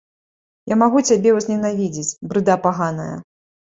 Я магу цябе ўзненавідзець, брыда паганая!